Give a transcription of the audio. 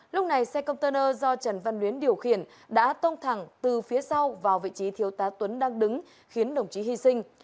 lúc này xe container do trần văn luyến điều khiển đã tông thẳng từ phía sau vào vị trí thiếu tá tuấn đang đứng khiến đồng chí hy sinh